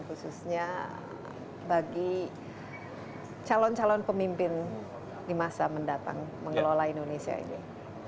khususnya bagi calon calon pemimpin di masa mendatang mengelola indonesia ini